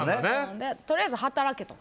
とりあえず働けと。